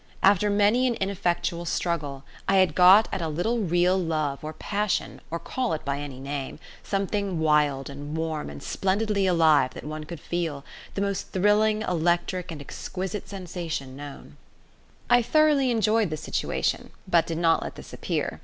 After many an ineffectual struggle I had got at a little real love or passion, or call it by any name something wild and warm and splendidly alive that one could feel, the most thrilling, electric, and exquisite sensation known. I thoroughly enjoyed the situation, but did not let this appear.